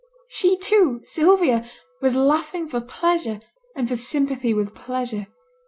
She too, Sylvia, was laughing for pleasure, and for sympathy with pleasure.